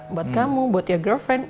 buat kamu buat your girlfriend